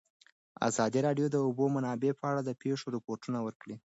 ازادي راډیو د د اوبو منابع په اړه د پېښو رپوټونه ورکړي.